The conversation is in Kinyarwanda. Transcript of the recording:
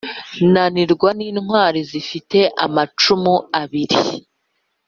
nanirwa n’intwali zifite amacumu abili.